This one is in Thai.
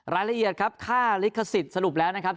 รายละเอียดครับค่าลิขสิทธิ์สรุปแล้วนะครับ